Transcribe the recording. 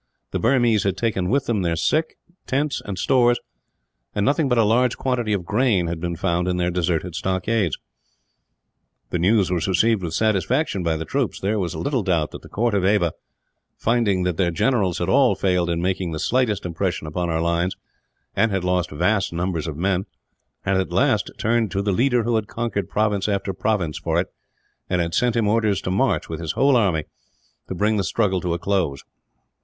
The Burmese had taken with them their sick, tents, and stores; and nothing but a large quantity of grain had been found in their deserted stockades. The news was received with satisfaction by the troops. There was little doubt that the court of Ava finding that their generals had all failed in making the slightest impression upon our lines, and had lost vast numbers of men had at last turned to the leader who had conquered province after province for it, and had sent him orders to march, with his whole army, to bring the struggle to a close.